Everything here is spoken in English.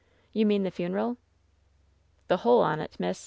"You mean the funeral?" "The whole on 't, miss!